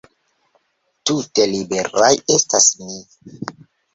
Tute liberaj estas ni!